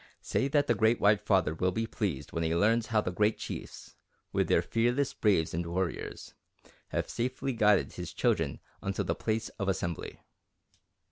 Say that the Great White Father will be pleased when he learns how the Great Chiefs, with their fearless braves and warriors, have safely guided his children unto the place of assembly."